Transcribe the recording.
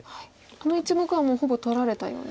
あの１目はもうほぼ取られたような。